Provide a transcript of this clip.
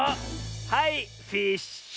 はいフィッシュ！